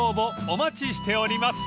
お待ちしております］